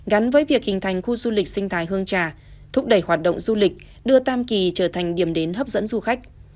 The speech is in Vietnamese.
gắn với việc hình thành khu du lịch sinh thái hương trà thúc đẩy hoạt động du lịch đưa tam kỳ trở thành điểm đến hấp dẫn du khách